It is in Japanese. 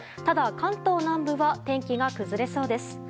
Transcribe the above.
ただ、関東南部は天気が崩れそうです。